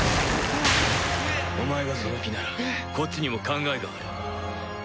お前がその気ならこっちにも考えがある。